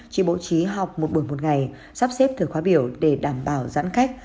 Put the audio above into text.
chỉ bổ trí học một buổi một ngày sắp xếp thử khóa biểu để đảm bảo giãn khách